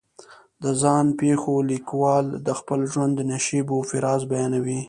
د ځان پېښو لیکوال د خپل ژوند نشیب و فراز بیانوي.